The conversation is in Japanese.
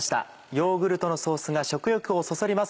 ヨーグルトのソースが食欲をそそります。